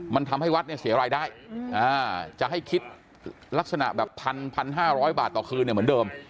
มันทำให้วัดเสียรายได้จะให้คิดลักษณะแบบพันพันห้าร้อยบาทต่อคืนเหมือนเดิม